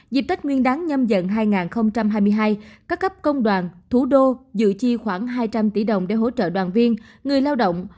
dịp tết nguyên đáng nhâm dần hai nghìn hai mươi hai các cấp công đoàn thủ đô dự chi khoảng hai trăm linh tỷ đồng để hỗ trợ đoàn viên người lao động